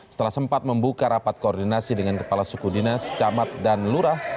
setelah sempat membuka rapat koordinasi dengan kepala suku dinas camat dan lurah